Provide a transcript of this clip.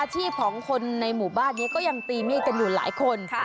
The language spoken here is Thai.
ชีพของคนในหมู่บ้านนี้ก็ยังตีมีดกันอยู่หลายคน